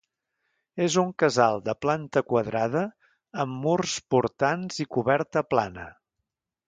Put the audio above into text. És un casal de planta quadrada amb murs portants i coberta plana.